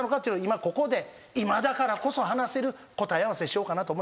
今ここで今だからこそ話せる答え合わせしようかなと思いまして。